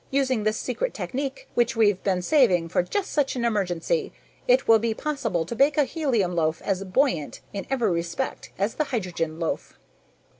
Using this secret technique, which we've been saving for just such an emergency, it will be possible to bake a helium loaf as buoyant in every respect as the hydrogen loaf."